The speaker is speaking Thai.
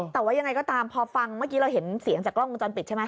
แต่ว่ายังไงก็ตามพอฟังเมื่อกี้เราเห็นเสียงจากกล้องวงจรปิดใช่ไหม